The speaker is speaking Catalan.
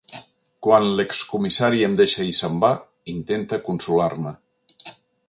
Quan l'excomissari em deixa i se'n va, intenta consolar-me.